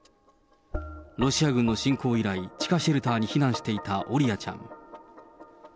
ロシア軍の侵攻以来、地下シェルターに避難していたオリアちゃん。